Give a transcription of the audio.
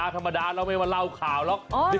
ธรรมดาเราไม่มาเล่าข่าวหรอก